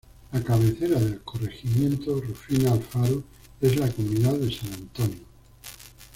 La cabecera del corregimiento Rufina Alfaro es la comunidad de San Antonio.